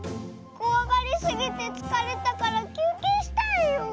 こわがりすぎてつかれたからきゅうけいしたいよ。